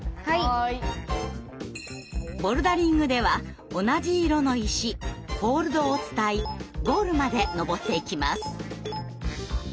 ボルダリングでは同じ色の石ホールドを伝いゴールまで登っていきます。